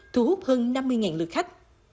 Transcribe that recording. thu hút hơn năm mươi lượt khách